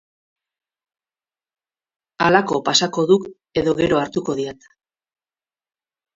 Halako pasako duk edo gero hartuko diat.